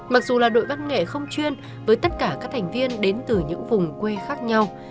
mặc dù là đội văn nghệ không chuyên với tất cả các thành viên đến từ những vùng quê khác nhau